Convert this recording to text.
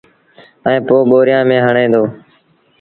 ائيٚݩ پو ٻوريآݩ ميݩ هڻي دو